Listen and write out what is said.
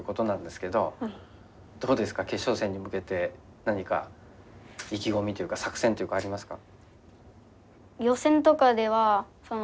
どうですか決勝戦に向けて何か意気込みというか作戦というかありますか？